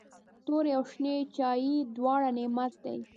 توري او شنې چايي دواړه نعمت دی.